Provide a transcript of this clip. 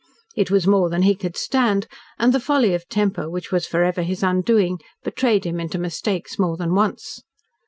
It was more than he could stand, and the folly of temper, which was forever his undoing, betrayed him into mistakes more than once.